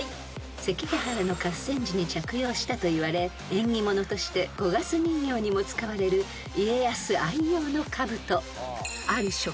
［関ヶ原の合戦時に着用したといわれ縁起物として五月人形にも使われる家康愛用のかぶと］